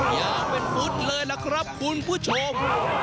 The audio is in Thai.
ยาวเป็นฟุตเลยล่ะครับคุณผู้ชม